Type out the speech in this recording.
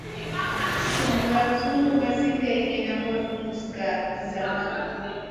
Sùn wrak sungu ma sli kègèna, hot muz gaʼa a zama.